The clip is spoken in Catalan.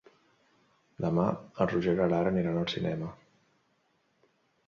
Demà en Roger i na Lara iran al cinema.